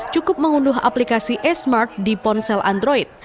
cukup mengunduh aplikasi e smart di ponsel android